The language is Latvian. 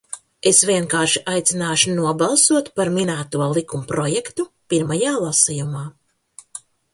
Es vienkārši aicināšu nobalsot par minēto likumprojektu pirmajā lasījumā.